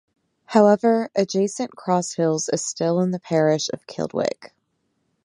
However adjacent Cross Hills is still in the parish of Kildwick.